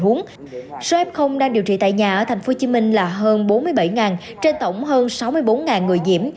số f đang điều trị tại nhà ở tp hcm là hơn bốn mươi bảy trên tổng hơn sáu mươi bốn người nhiễm